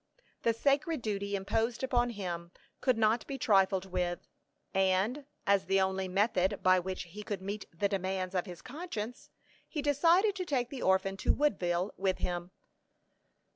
The sacred duty imposed upon him could not be trifled with, and, as the only method by which he could meet the demands of his conscience, he decided to take the orphan to Woodville with him.